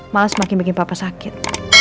malah semakin bikin papa sakit